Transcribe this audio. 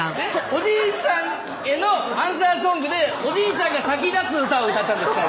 おじいちゃんへのアンサーソングでおじいちゃんが先立つ歌を歌ったんですか？